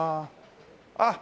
あっ！